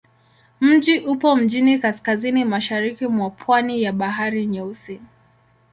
Mji upo mjini kaskazini-mashariki mwa pwani ya Bahari Nyeusi.